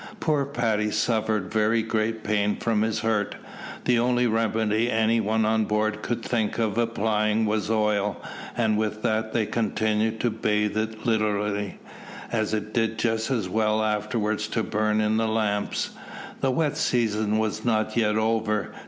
Poor Paddy suffered very great pain from his hurt. The only remedy any one on board could think of applying was oil, and with that they continued to bathe it liberally, as it did just as well afterwards to burn in the lamps. The wet season was not yet over.